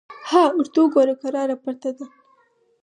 _ها ورته وګوره! کراره پرته ده.